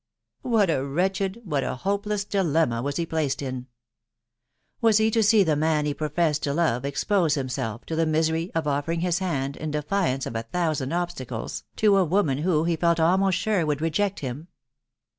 What a wretched, what a hopeless dilemma .was he placed in ! Was he to aee the man he professed to love <esnose himself to the misery of offering his hand, in defiance of a thousand obstacles, to a woman who, he felt almost sute, would reject him